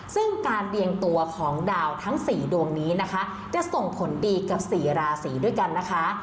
ซึ่งการเรียงตัวของดาวทั้ง๔ดวงนี้นะคะจะส่งผลดีกับ๔ราศีด้วยกันนะคะ